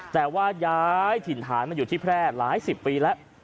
แต่ว่าย้ายถิ่นฐานมาอยู่ที่แพร่หลายสิบปีแล้ว